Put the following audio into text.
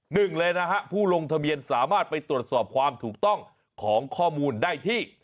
หนึ่งเลยนะฮะผู้ลงทะเบียนสามารถไปตรวจสอบความถูกต้องของข้อมูลได้ที่